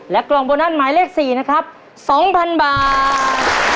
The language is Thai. กล่องโบนัสหมายเลข๔นะครับ๒๐๐๐บาท